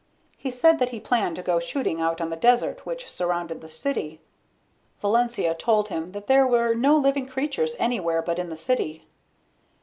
He said that he planned to go shooting out on the desert which surrounded the city. Valencia told him that there were no living creatures anywhere but in the city.